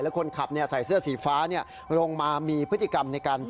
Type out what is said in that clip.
คนขับใส่เสื้อสีฟ้าลงมามีพฤติกรรมในการ